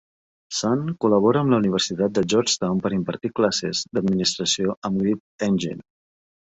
Sun col·labora amb la Universitat de Georgetown per impartir classes d'administració amb Grid Engine.